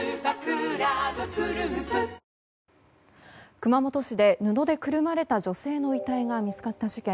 熊本市で布でくるまれた女性の遺体が見つかった事件。